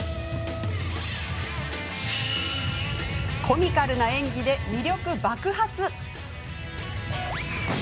コミカルな演技で魅力爆発！